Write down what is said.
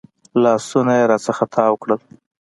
لاسونه يې رانه تاو کړل.